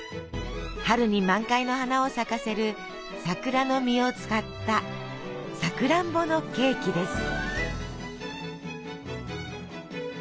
春に満開の花を咲かせる桜の実を使ったさくらんぼのケーキです。